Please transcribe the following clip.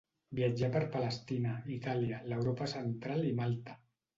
Viatjà per Palestina, Itàlia, l'Europa central i Malta.